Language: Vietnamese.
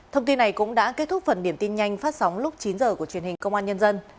thông tin này cũng đã kết thúc phần điểm tin nhanh phát sóng lúc chín h của truyền hình công an nhân dân